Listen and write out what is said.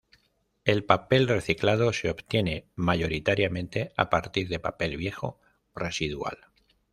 El papel reciclado se obtiene mayoritariamente a partir de papel viejo o residual.